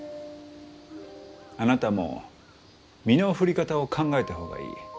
あなたも身の振り方を考えた方がいい。